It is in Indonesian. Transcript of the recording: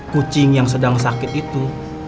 kucing yang sedang sakit itu